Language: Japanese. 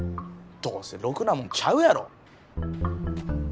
どうせろくなもんちゃうやろ。